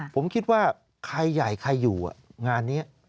ผมคิดว่าใครใหญ่ใครอยู่งานนี้